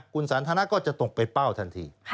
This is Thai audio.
คุณสันทนาก็จะตกไปเป้าทันที